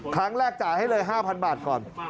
ครั้งแรกจ่ายให้เลย๕๐๐๐บาทก่อน